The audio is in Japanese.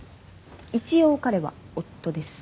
一応彼は夫です